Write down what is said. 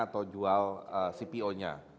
atau jual cpo nya